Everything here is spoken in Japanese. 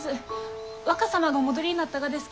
若様がお戻りになったがです